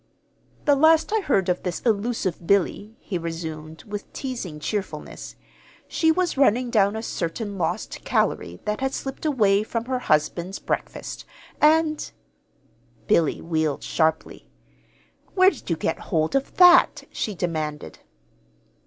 "The last I heard of this elusive Billy," he resumed, with teasing cheerfulness, "she was running down a certain lost calory that had slipped away from her husband's breakfast, and " Billy wheeled sharply. "Where did you get hold of that?" she demanded.